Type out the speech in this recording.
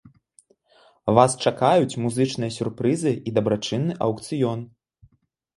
Вас чакаюць музычныя сюрпрызы і дабрачынны аўкцыён.